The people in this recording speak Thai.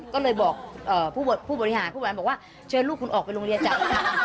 ก็เลยบอกผู้บริหารผู้บริหารบอกว่าเชิญลูกคุณออกไปโรงเรียนจ้ะ